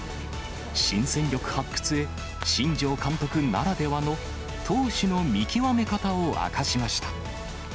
新戦力発掘へ、新庄監督ならではの投手の見極め方を明かしました。